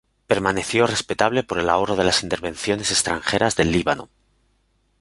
Permaneció respetable por el ahorro de las intervenciones extranjeras del Líbano.